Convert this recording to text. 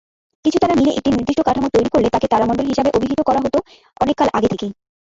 কিছু তারা মিলে একটি নির্দিষ্ট কাঠামো তৈরি করলে তাকে তারামণ্ডল হিসেবে অভিহিত করা হতো অনেক কাল আগে থেকেই।